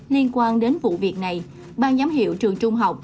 liên quan đến vụ việc này ban giám hiệu trường trung học